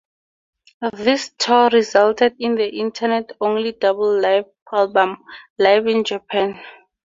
This tour resulted in the Internet-only double live album "Live in Japan".